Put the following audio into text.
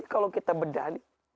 kalau kita bedah nih